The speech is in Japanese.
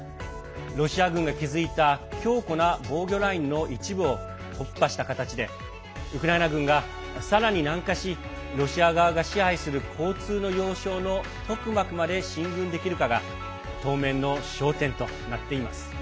ロシア軍が築いた強固な防御ラインの一部を突破した形でウクライナ軍が、さらに南下しロシア側が支配する交通の要衝のトクマクまで進軍できるかが当面の焦点となっています。